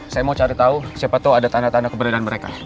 saya mau cari tahu siapa tahu ada tanda tanda keberadaan mereka